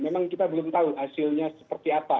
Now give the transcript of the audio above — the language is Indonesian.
memang kita belum tahu hasilnya seperti apa